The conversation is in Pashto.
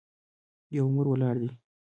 یو مامور ولاړ دی.